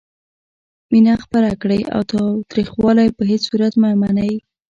مینه خپره کړئ او تاوتریخوالی په هیڅ صورت مه منئ.